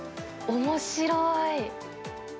おもしろい。